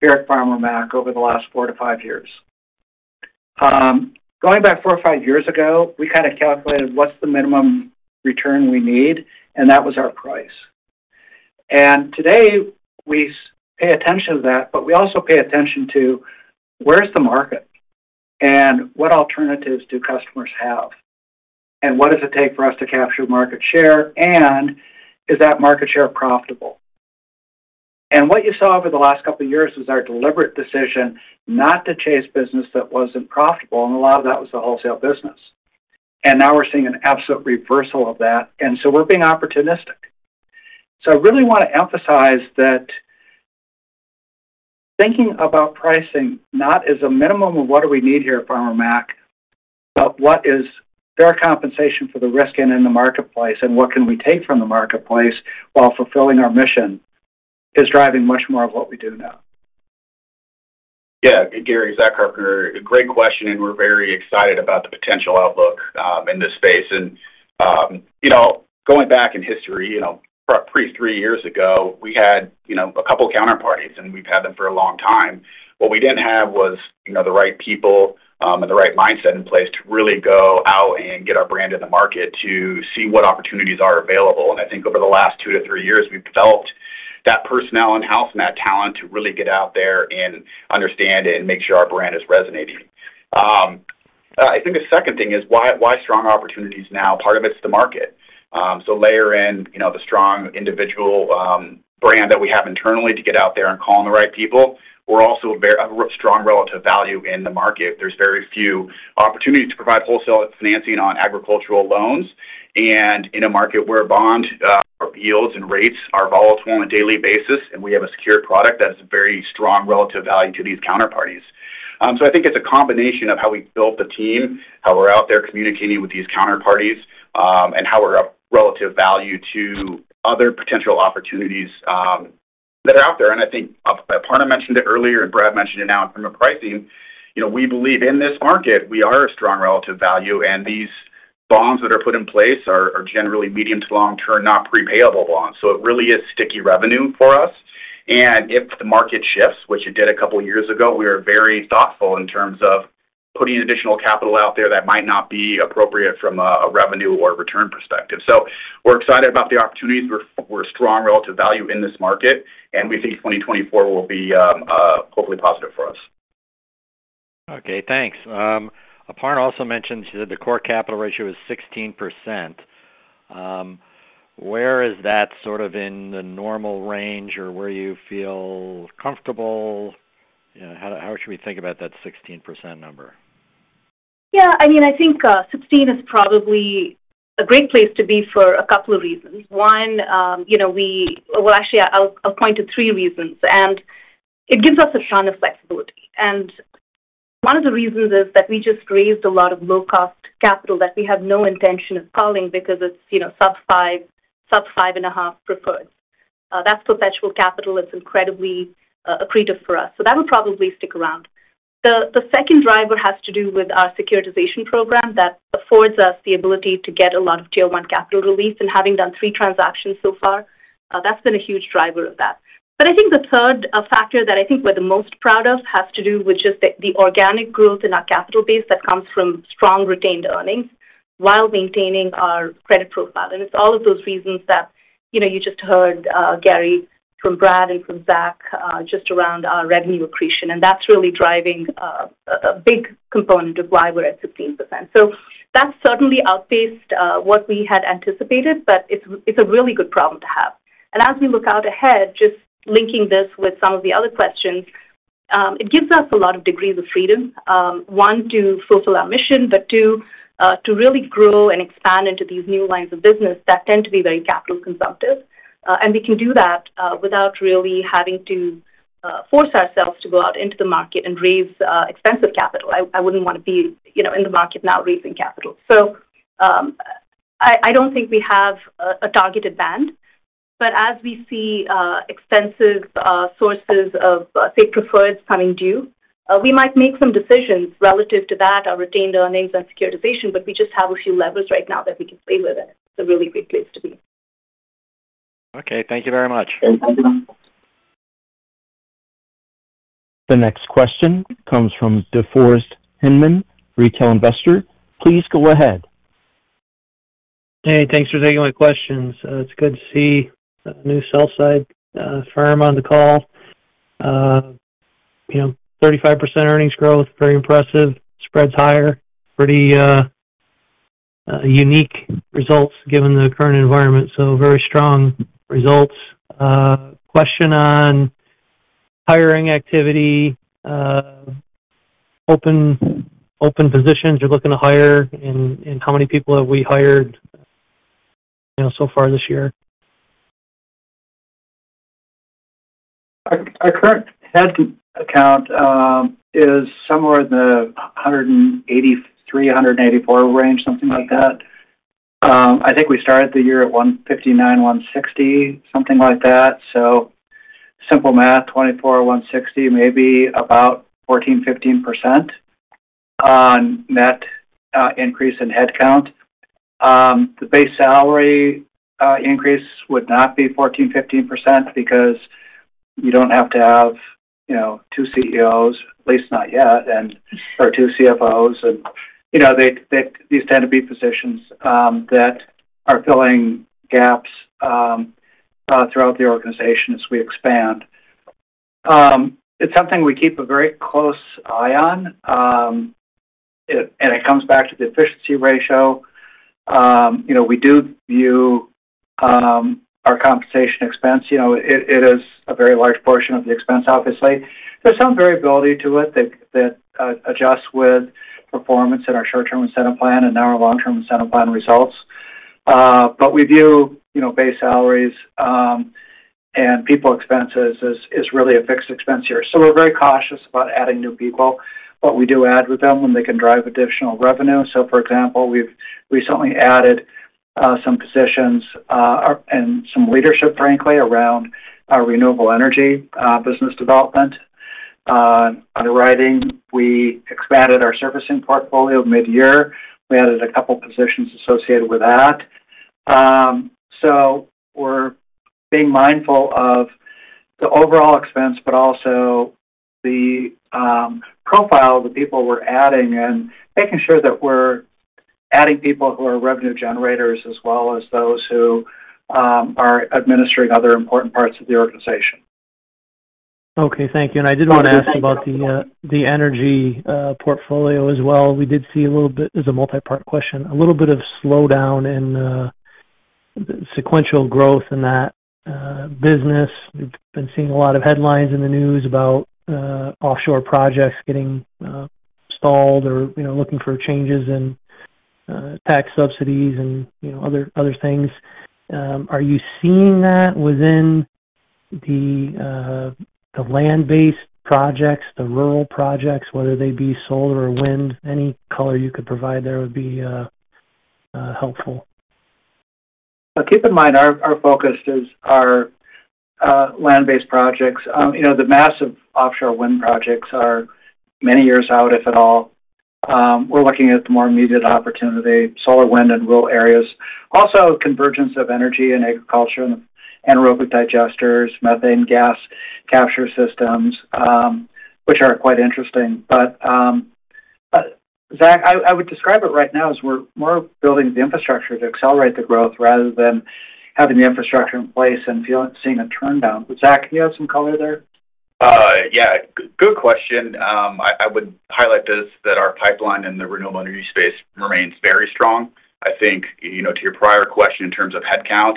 here at Farmer Mac over the last 4-5 years. Going back 4 or 5 years ago, we kind of calculated what's the minimum return we need, and that was our price. Today, we pay attention to that, but we also pay attention to where's the market and what alternatives do customers have, and what does it take for us to capture market share, and is that market share profitable? What you saw over the last couple of years is our deliberate decision not to chase business that wasn't profitable, and a lot of that was the wholesale business. Now we're seeing an absolute reversal of that, and so we're being opportunistic. I really want to emphasize that thinking about pricing not as a minimum of what do we need here at Farmer Mac, but what is fair compensation for the risk and in the marketplace, and what can we take from the marketplace while fulfilling our mission, is driving much more of what we do now. Yeah, Gary, Zach Carpenter. Great question, and we're very excited about the potential outlook in this space. And you know, going back in history, you know, pre-3 years ago, we had, you know, a couple of counterparties, and we've had them for a long time. What we didn't have was, you know, the right people and the right mindset in place to really go out and get our brand in the market to see what opportunities are available. And I think over the last 2-3 years, we've developed that personnel in-house and that talent to really get out there and understand it and make sure our brand is resonating. I think the second thing is why strong opportunities now? Part of it's the market. So layer in, you know, the strong individual brand that we have internally to get out there and call on the right people. We're also a very strong relative value in the market. There's very few opportunities to provide wholesale financing on agricultural loans. And in a market where bond yields and rates are volatile on a daily basis, and we have a secure product, that's a very strong relative value to these counterparties. So I think it's a combination of how we built the team, how we're out there communicating with these counterparties, and how we're a relative value to other potential opportunities that are out there. And I think Aparna mentioned it earlier, and Brad mentioned it now in terms of pricing. You know, we believe in this market, we are a strong relative value, and these bonds that are put in place are generally medium to long-term, not prepayable bonds. So it really is sticky revenue for us. And if the market shifts, which it did a couple of years ago, we are very thoughtful in terms of putting additional capital out there that might not be appropriate from a revenue or a return perspective. So we're excited about the opportunities. We're a strong relative value in this market, and we think 2024 will be hopefully positive for us. Okay, thanks. Aparna also mentioned that the core capital ratio is 16%. Where is that sort of in the normal range or where you feel comfortable? You know, how should we think about that 16% number? Yeah, I mean, I think 16 is probably a great place to be for a couple of reasons. One, you know, Well, actually, I'll point to three reasons, and it gives us a ton of flexibility. One of the reasons is that we just raised a lot of low-cost capital that we have no intention of calling because it's, you know, sub-5, sub-5.5 preferred. That's perpetual capital. It's incredibly accretive for us. So that would probably stick around. The second driver has to do with our securitization program. That affords us the ability to get a lot of Tier 1 capital relief, and having done three transactions so far, that's been a huge driver of that. But I think the third factor that I think we're the most proud of has to do with just the organic growth in our capital base that comes from strong retained earnings while maintaining our credit profile. And it's all of those reasons that, you know, you just heard, Gary, from Brad and from Zach, just around our revenue accretion, and that's really driving a big component of why we're at 16%. So that certainly outpaced what we had anticipated, but it's a really good problem to have. And as we look out ahead, just linking this with some of the other questions, it gives us a lot of degrees of freedom, one, to fulfill our mission, but two, to really grow and expand into these new lines of business that tend to be very capital consumptive.... and we can do that without really having to force ourselves to go out into the market and raise expensive capital. I wouldn't want to be, you know, in the market now raising capital. So, I don't think we have a targeted band, but as we see expensive sources of, say, preferred coming due, we might make some decisions relative to that, our retained earnings and securitization, but we just have a few levers right now that we can play with it. It's a really great place to be. Okay, thank you very much. You're welcome. The next question comes from DeForest Hinman, retail investor. Please go ahead. Hey, thanks for taking my questions. It's good to see a new sell-side firm on the call. You know, 35% earnings growth, very impressive. Spreads higher. Pretty unique results given the current environment. So very strong results. Question on hiring activity. Open positions you're looking to hire, and how many people have we hired, you know, so far this year? Our current head count is somewhere in the 183-184 range, something like that. I think we started the year at 159-160, something like that. So simple math, 24, 160, maybe about 14-15% on net increase in headcount. The base salary increase would not be 14-15% because you don't have to have, you know, two CEOs, at least not yet, and or two CFOs. You know, these tend to be positions that are filling gaps throughout the organization as we expand. It's something we keep a very close eye on. And it comes back to the efficiency ratio. You know, we do view our compensation expense. You know, it is a very large portion of the expense obviously. There's some variability to it that adjusts with performance in our short-term incentive plan and now our long-term incentive plan results. But we view, you know, base salaries and people expenses as really a fixed expense here. So we're very cautious about adding new people, but we do add with them when they can drive additional revenue. So, for example, we've recently added some positions and some leadership, frankly, around our renewable energy business development. Underwriting, we expanded our servicing portfolio mid-year. We added a couple positions associated with that. So we're being mindful of the overall expense but also the profile of the people we're adding and making sure that we're adding people who are revenue generators as well as those who are administering other important parts of the organization. Okay, thank you. And I did want to ask about the, the energy, portfolio as well. We did see a little bit... This is a multi-part question. A little bit of slowdown in, sequential growth in that, business. We've been seeing a lot of headlines in the news about, offshore projects getting, stalled or, you know, looking for changes in, tax subsidies and, you know, other, other things. Are you seeing that within the, the land-based projects, the rural projects, whether they be solar or wind? Any color you could provide there would be, helpful. So keep in mind, our focus is our land-based projects. You know, the massive offshore wind projects are many years out, if at all. We're looking at the more immediate opportunity, solar, wind in rural areas. Also, convergence of energy and agriculture and anaerobic digesters, methane gas capture systems, which are quite interesting. But Zach, I would describe it right now as we're more building the infrastructure to accelerate the growth rather than having the infrastructure in place and seeing a turn down. Zach, do you have some color there? Yeah, good question. I would highlight this, that our pipeline in the renewable energy space remains very strong. I think, you know, to your prior question in terms of headcount,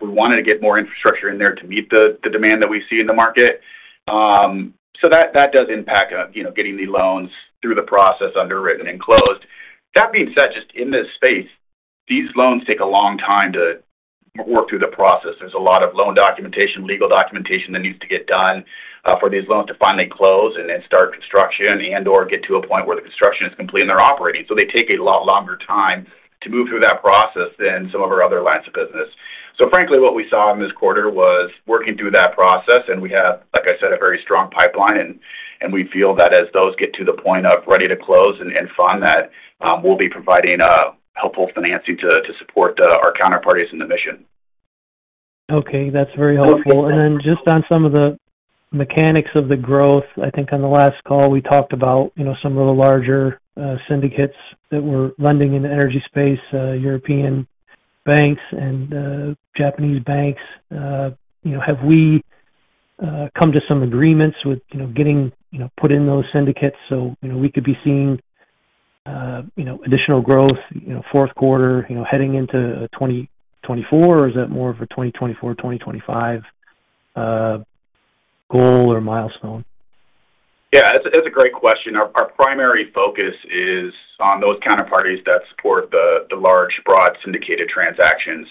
we wanted to get more infrastructure in there to meet the, the demand that we see in the market. So that, that does impact, you know, getting the loans through the process underwritten and closed. That being said, just in this space, these loans take a long time to work through the process. There's a lot of loan documentation, legal documentation that needs to get done, for these loans to finally close and then start construction and/or get to a point where the construction is complete and they're operating. So they take a lot longer time to move through that process than some of our other lines of business. So frankly, what we saw in this quarter was working through that process, and we have, like I said, a very strong pipeline, and we feel that as those get to the point of ready to close and fund, that we'll be providing helpful financing to support our counterparties in the mission. Okay, that's very helpful. And then just on some of the mechanics of the growth, I think on the last call, we talked about, you know, some of the larger, syndicates that were lending in the energy space, European banks and, Japanese banks. You know, have we, come to some agreements with, you know, getting, you know, put in those syndicates so, you know, we could be seeing, you know, additional growth, you know, fourth quarter, you know, heading into, 2024? Or is that more of a 2024, 2025, goal or milestone?... Yeah, that's a great question. Our primary focus is on those counterparties that support the large, broadly syndicated transactions.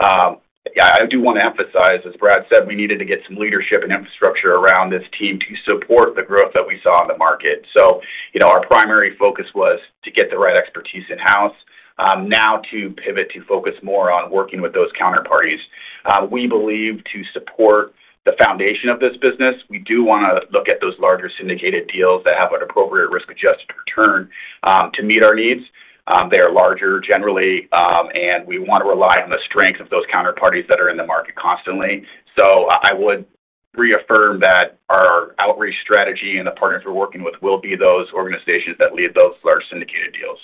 Yeah, I do want to emphasize, as Brad said, we needed to get some leadership and infrastructure around this team to support the growth that we saw in the market. So, you know, our primary focus was to get the right expertise in-house, now to pivot, to focus more on working with those counterparties. We believe to support the foundation of this business, we do want to look at those larger syndicated deals that have an appropriate risk-adjusted return to meet our needs. They are larger generally, and we want to rely on the strength of those counterparties that are in the market constantly. I would reaffirm that our outreach strategy and the partners we're working with will be those organizations that lead those large syndicated deals.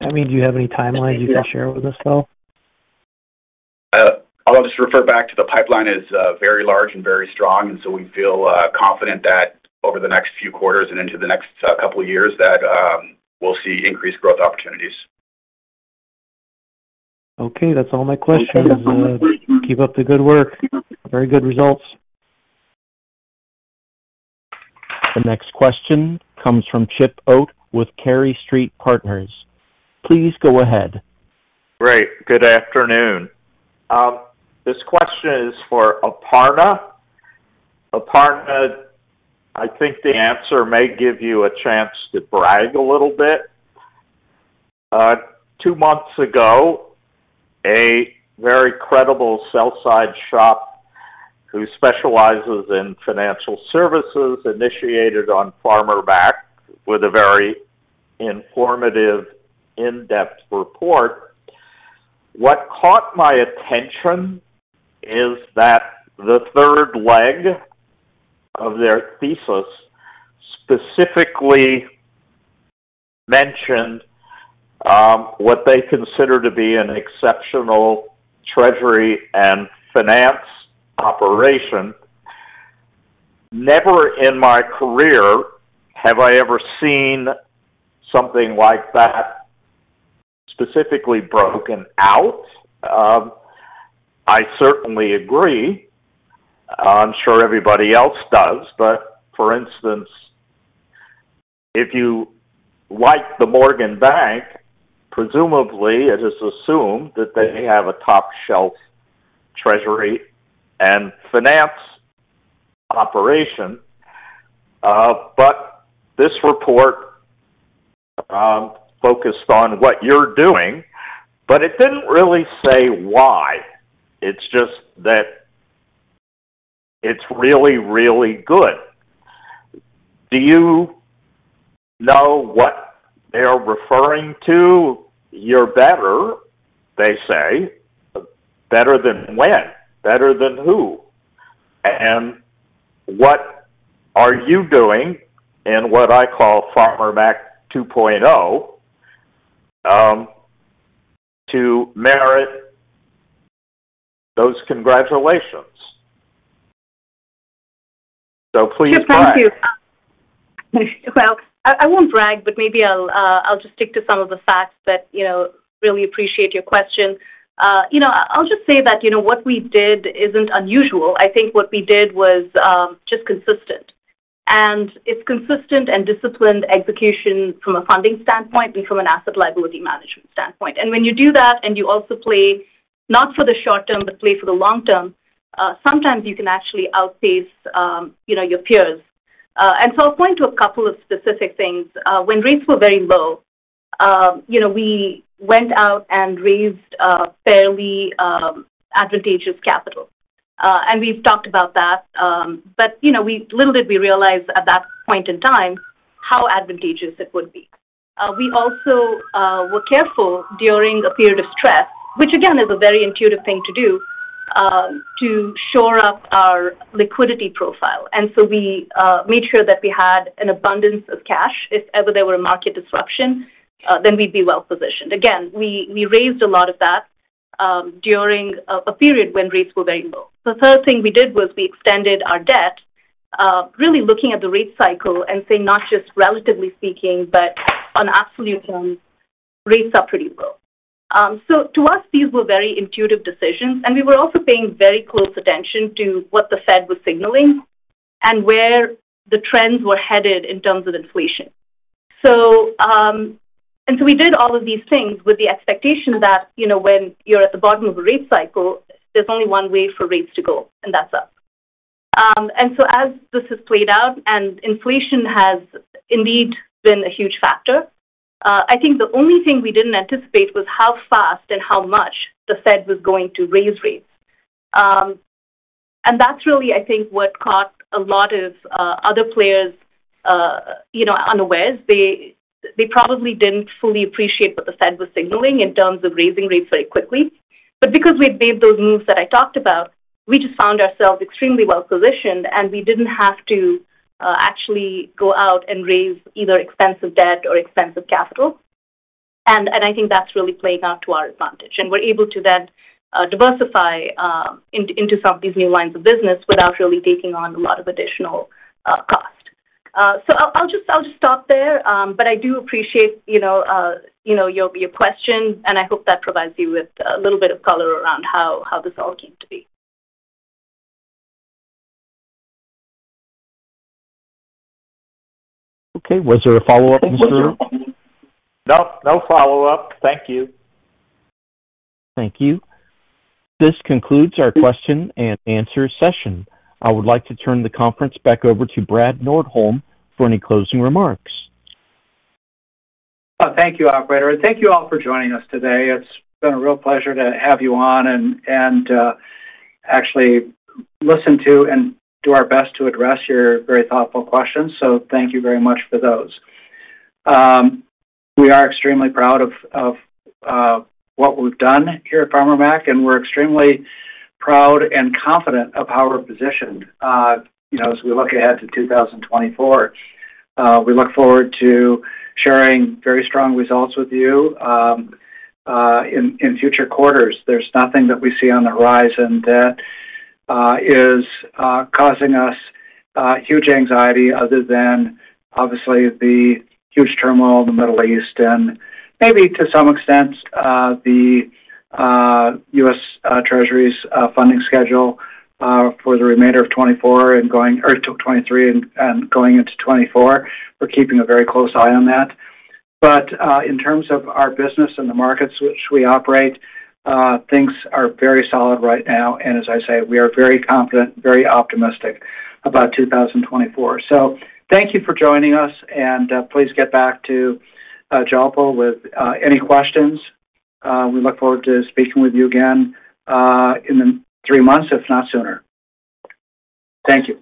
I mean, do you have any timelines you can share with us, though? I'll just refer back to the pipeline is very large and very strong, and so we feel confident that over the next few quarters and into the next couple of years, we'll see increased growth opportunities. Okay, that's all my questions. Keep up the good work. Very good results. The next question comes from Chip Oat with Cary Street Partners. Please go ahead. Great. Good afternoon. This question is for Aparna. Aparna, I think the answer may give you a chance to brag a little bit. Two months ago, a very credible sell-side shop who specializes in financial services initiated on Farmer Mac with a very informative, in-depth report. What caught my attention is that the third leg of their thesis specifically mentioned what they consider to be an exceptional treasury and finance operation. Never in my career have I ever seen something like that specifically broken out. I certainly agree. I'm sure everybody else does, but for instance, if you like the Morgan Bank, presumably it is assumed that they have a top-shelf treasury and finance operation. But this report focused on what you're doing, but it didn't really say why. It's just that it's really, really good. Do you know what they're referring to? You're better, they say. Better than when? Better than who? And what are you doing in what I call Farmer Mac 2.0 to merit those congratulations? So please brag. Well, I, I won't brag, but maybe I'll, I'll just stick to some of the facts. But, you know, really appreciate your question. You know, I'll just say that, you know, what we did isn't unusual. I think what we did was, just consistent. And it's consistent and disciplined execution from a funding standpoint and from an asset liability management standpoint. And when you do that, and you also play not for the short term, but play for the long term, sometimes you can actually outpace, you know, your peers. And so I'll point to a couple of specific things. When rates were very low, you know, we went out and raised a fairly, advantageous capital. And we've talked about that. But you know, we, little did we realize at that point in time, how advantageous it would be. We also were careful during a period of stress, which again is a very intuitive thing to do, to shore up our liquidity profile. And so we made sure that we had an abundance of cash. If ever there were a market disruption, then we'd be well positioned. Again, we raised a lot of that during a period when rates were very low. The third thing we did was we extended our debt, really looking at the rate cycle and saying, not just relatively speaking, but on absolute terms, rates are pretty low. So to us, these were very intuitive decisions, and we were also paying very close attention to what the Fed was signaling and where the trends were headed in terms of inflation. We did all of these things with the expectation that, you know, when you're at the bottom of a rate cycle, there's only one way for rates to go, and that's up. As this has played out and inflation has indeed been a huge factor, I think the only thing we didn't anticipate was how fast and how much the Fed was going to raise rates. That's really, I think, what caught a lot of other players, you know, unawares. They probably didn't fully appreciate what the Fed was signaling in terms of raising rates very quickly. But because we'd made those moves that I talked about, we just found ourselves extremely well positioned, and we didn't have to actually go out and raise either expensive debt or expensive capital. I think that's really playing out to our advantage. And we're able to then diversify into some of these new lines of business without really taking on a lot of additional cost. So I'll just stop there. But I do appreciate, you know, your question, and I hope that provides you with a little bit of color around how this all came to be. Okay. Was there a follow-up, Mr.? No, no follow-up. Thank you. Thank you. This concludes our question and answer session. I would like to turn the conference back over to Brad Nordholm for any closing remarks. Thank you, operator, and thank you all for joining us today. It's been a real pleasure to have you on and, and, actually listen to and do our best to address your very thoughtful questions. So thank you very much for those. We are extremely proud of, of, what we've done here at Farmer Mac, and we're extremely proud and confident of how we're positioned. You know, as we look ahead to 2024, we look forward to sharing very strong results with you, in future quarters. There's nothing that we see on the horizon that is causing us huge anxiety other than obviously the huge turmoil in the Middle East and maybe to some extent the U.S. Treasury's funding schedule for the remainder of 2024 and going or till 2023 and, and going into 2024. We're keeping a very close eye on that. But in terms of our business and the markets which we operate things are very solid right now, and as I say, we are very confident, very optimistic about 2024. So thank you for joining us, and please get back to Jalpa with any questions. We look forward to speaking with you again in three months, if not sooner. Thank you.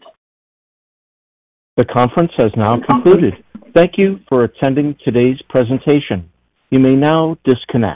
The conference has now concluded. Thank you for attending today's presentation. You may now disconnect.